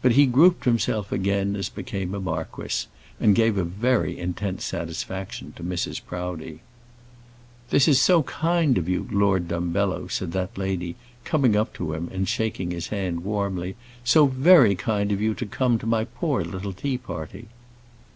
But he grouped himself again as became a marquis, and gave very intense satisfaction to Mrs. Proudie. "This is so kind of you, Lord Dumbello," said that lady, coming up to him and shaking his hand warmly; "so very kind of you to come to my poor little tea party."